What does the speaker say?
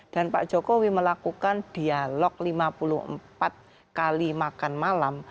dan pak jokowi melakukan dialog lima puluh empat kali makan malam